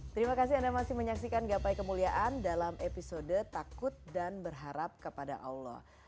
terima kasih anda masih menyaksikan gapai kemuliaan dalam episode takut dan berharap kepada allah